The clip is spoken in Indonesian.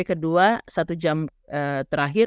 kedua satu jam terakhir